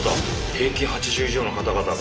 平均８０以上の方々が。